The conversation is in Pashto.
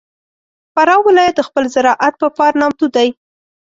فراه ولایت د خپل زراعت په پار نامتو دی.